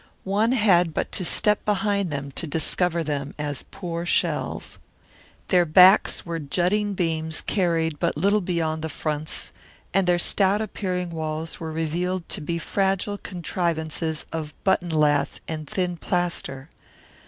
One had but to step behind them to discover them as poor shells. Their backs were jutting beams carried but little beyond the fronts and their stout appearing walls were revealed to be fragile contrivances of button lath and thin plaster.